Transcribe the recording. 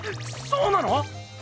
⁉そうなの⁉